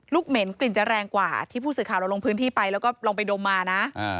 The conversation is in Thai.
เหม็นกลิ่นจะแรงกว่าที่ผู้สื่อข่าวเราลงพื้นที่ไปแล้วก็ลองไปดมมานะ